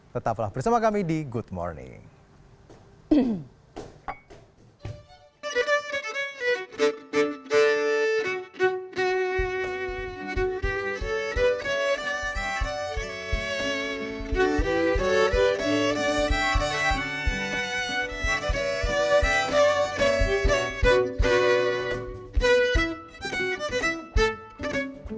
tetaplah bersama kami di good morning